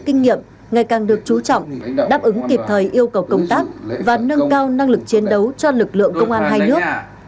kinh nghiệm ngày càng được chú trọng đáp ứng kịp thời yêu cầu công tác và nâng cao năng lực chiến đấu cho lực lượng công an hai nước